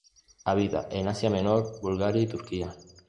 Habita en Asia Menor, Bulgaria y Turquía.